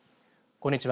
こんにちは。